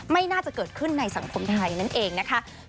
ไม่น่าจะเกิดขึ้นในสังคมไทยนั่นเองนะคะ